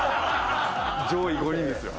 上位５人ですよ。